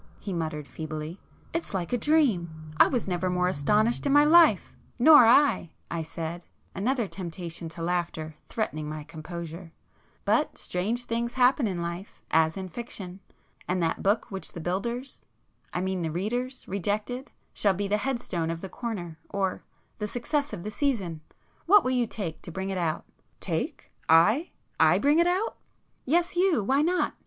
he muttered feebly—"It's like a dream!—I was never more astonished in my life!" [p 52]"Nor I!" I said, another temptation to laughter threatening my composure,—"But strange things happen in life, as in fiction. And that book which the builders—I mean the readers—rejected, shall be the headstone of the corner—or—the success of the season! What will you take to bring it out?" "Take? I? I bring it out!" "Yes, you—why not?